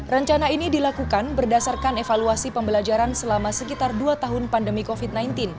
rencana ini dilakukan berdasarkan evaluasi pembelajaran selama sekitar dua tahun pandemi covid sembilan belas